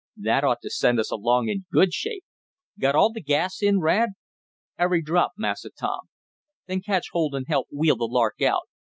"That ought to send us along in good shape. Got all the gas in, Rad?" "Every drop, Massa Tom." "Then catch hold and help wheel the Lark out.